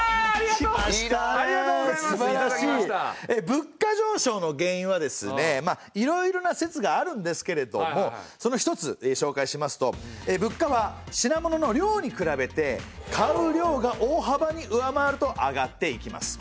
物価じょうしょうの原因はですねいろいろな説があるんですけれどもその一つしょうかいしますと物価は品物の量に比べて買う量がおおはばに上回ると上がっていきます。